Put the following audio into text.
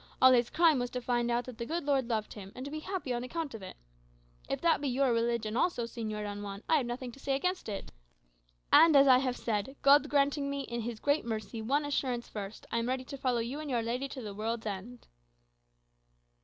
All his crime was to find out that the good Lord loved him, and to be happy on account of it. If that be your religion also, Señor Don Juan, I have nothing to say against it. And, as I have said, God granting me, in his great mercy, one assurance first, I am ready to follow you and your lady to the world's end."